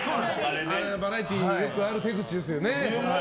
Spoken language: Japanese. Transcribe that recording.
バラエティーによくある手口ですよね。